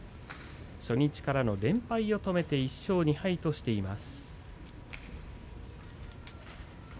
初日からの連敗を止めて１勝２敗としています。